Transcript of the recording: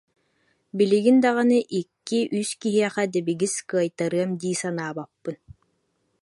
Билигин даҕаны икки-үс киһиэхэ дэбигис кыайтарыам дии санаабаппын